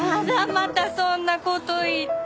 またそんな事言って。